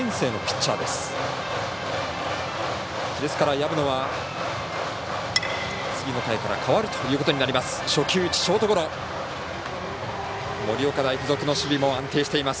薮野は、次の回から代わるということになります。